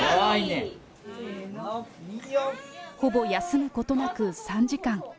ほぼ休むことなく３時間。